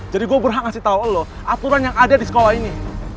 jadi gue berhak ngasih tau elo aturan yang ada di sekolah ini